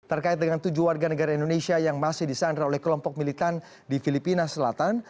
terkait dengan tujuh warga negara indonesia yang masih disandra oleh kelompok militan di filipina selatan